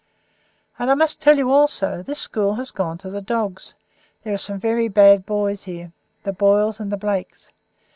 And, I must tell you also this school has gone to the dogs; there are some very bad boys here the Boyles and the Blakes.